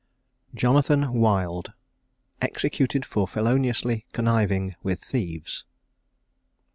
JONATHAN WILD. EXECUTED FOR FELONIOUSLY CONNIVING WITH THIEVES.